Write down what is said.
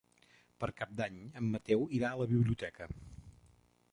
Per Cap d'Any en Mateu irà a la biblioteca.